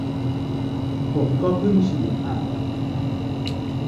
ผมก็เพิ่งฉีดอะ